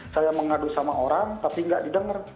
saya mengadu sama orang tapi nggak didengar